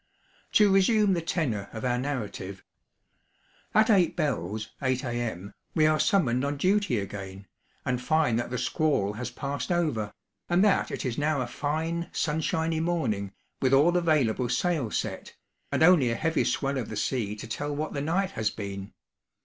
To resume the tenor of our narrative: at eight bells (8 A.M.) we are summoned on duty again, and find that the squall has passed over, and that it is now a fine sunshiny morning, with all available sail set, and only a heavy swell of the sea to tell what the night has been.